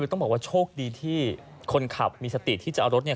ต้องบอกว่าโชคดีที่คนขับมีสติที่จะเอารถเนี่ย